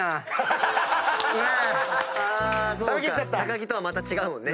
木とはまた違うもんね。